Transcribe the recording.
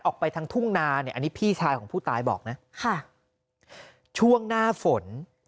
ออกไปทางทุ่งนาเนี่ยอันนี้พี่ชายของผู้ตายบอกนะค่ะช่วงหน้าฝน